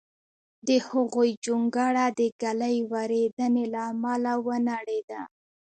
د هغوی جونګړه د ږلۍ وریدېنې له امله ونړېده